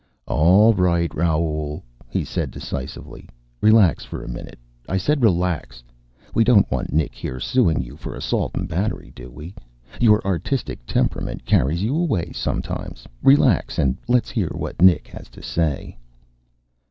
"All right, Raoul," he said decisively. "Relax for a minute. I said relax! We don't want Nick here suing you for assault and battery, do we? Your artistic temperament carries you away sometimes. Relax and let's hear what Nick has to say."